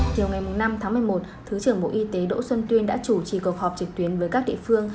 chiều ngày năm tháng một mươi một thứ trưởng bộ y tế đỗ xuân tuyên đã chủ trì cuộc họp trực tuyến với các địa phương